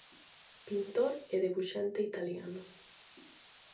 Pintor e debuxante italiano.